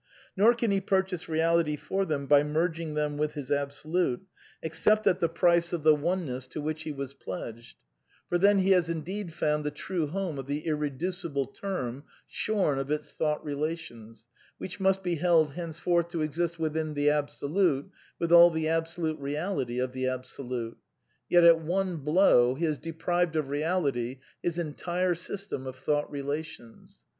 Nor can he purchase reality for them by merging I them with his Absolute, except at the price of the Oneness | 122 A DEFENCE OF IDEALISM to which he was pledged* For then he has indeed found the true home of the irreducible term (shorn of its thought relations), which must be held henceforth to exist within the Absolute with all the absolute reality of the Absolute ; yet, at one blow, he has deprived of reality his entire Bysl tem of thought relations.